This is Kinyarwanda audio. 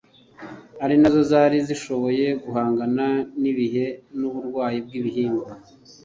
ari nazo zari zishoboye guhangana n’ibihe n’uburwayi bw’ibihingwa